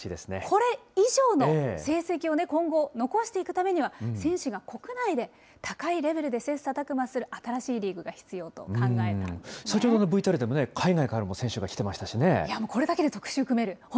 これ以上の成績を今後残していくためには、選手が国内で高いレベルで切さたく磨する新しいリーグ先ほどのＶＴＲでも海外からこれだけで特集組める。